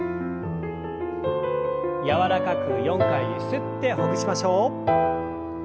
柔らかく４回ゆすってほぐしましょう。